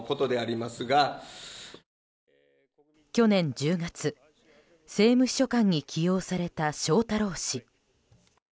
去年１０月、政務秘書官に起用された翔太郎氏。